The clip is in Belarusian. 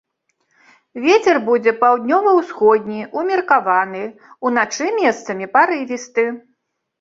Вецер будзе паўднёва-ўсходні, умеркаваны, уначы месцамі парывісты.